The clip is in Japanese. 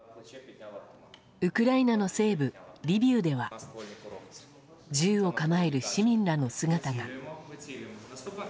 ウクライナの西部、リビウでは銃を構える市民らの姿が。